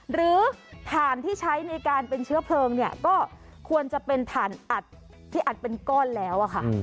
หรือถ่านที่ใช้ในการเป็นเชื้อเพลิงเนี่ยก็ควรจะเป็นถ่านอัดที่อัดเป็นก้อนแล้วอะค่ะ